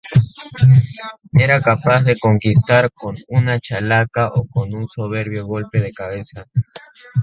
Era capaz de conquistar con una Chalaca o con un soberbio golpe de cabeza.